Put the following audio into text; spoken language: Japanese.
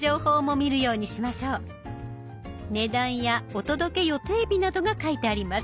値段やお届け予定日などが書いてあります。